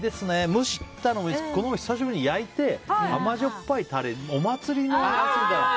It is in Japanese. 蒸したのもですけど僕、久しぶりに焼いて、甘じょっぱいタレお祭りのやつみたいに。